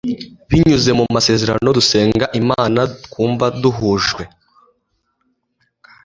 binyuze mu masengesho dusenga imana, twumva duhujwe